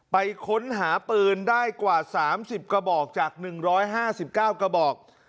ไปค้นหาปืนได้กว่าสามสิบกระบอกจากหนึ่งร้อยห้าสิบเก้ากระบอก